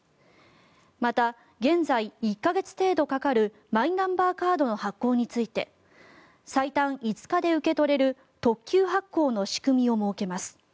また、現在、１か月程度かかるマイナンバーカードの発行について最短５日で受け取れる特急発行の仕組みを設けます。